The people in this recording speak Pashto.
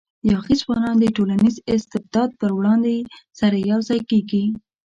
یاغي ځوانان د ټولنیز استبداد پر وړاندې سره یو ځای کېږي.